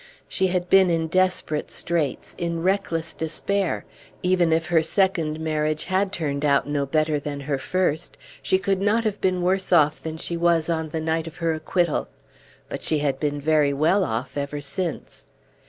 She had been in desperate straits, in reckless despair; even if her second marriage had turned out no better than her first, she could not have been worse off than she was on the night of her acquittal; but she had been very well off ever since.